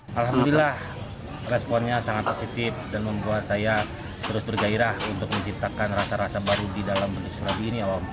sebelumnya pembukaan serabi ini membuat saya bergairah untuk menciptakan rasa rasa baru di dalam bentuk serabi ini